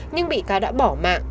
nhưng bị cá đã bỏ mạng